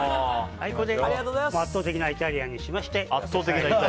これで圧倒的なイタリアンにしまして。